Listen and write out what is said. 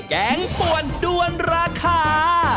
แกงป่วนด้วนราคา